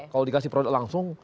kalau dikasih produk langsung